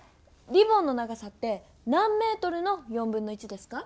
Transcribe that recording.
リボンの長さって何メートルの1/4ですか？